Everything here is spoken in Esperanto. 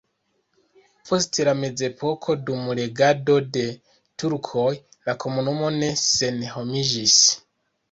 Post la mezepoko dum regado de turkoj la komunumo ne senhomiĝis.